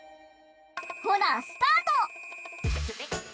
ほなスタート！